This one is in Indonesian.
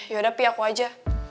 yaudah pi aku aja